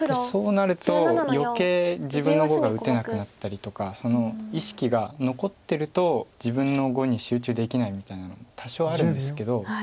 そうなると余計自分の碁が打てなくなったりとかその意識が残ってると自分の碁に集中できないみたいなの多少あるんですけど。